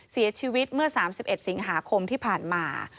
เสียชีวิตเมื่อ๓๑สิงหาคมที่ผ่านมา